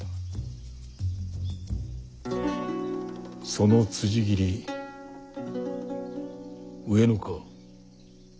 そのつじ斬り上野か？